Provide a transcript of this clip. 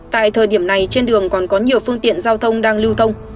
tại thời điểm này trên đường còn có nhiều phương tiện giao thông đang lưu thông